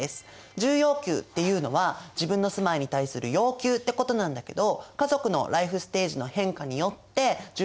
住要求っていうのは自分の住まいに対する要求ってことなんだけど家族のライフステージの変化によって住要求も変わってくるんです。